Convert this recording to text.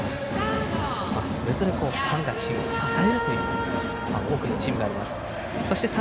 それぞれファンがチームを支えるという多くのチームがあります。